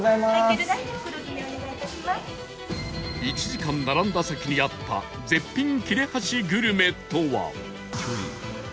１時間並んだ先にあった絶品切れ端グルメとは？